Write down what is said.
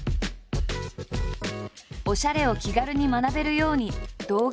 おしゃれを気軽に学べるように動画も配信。